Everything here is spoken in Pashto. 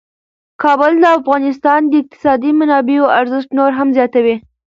کابل د افغانستان د اقتصادي منابعو ارزښت نور هم زیاتوي.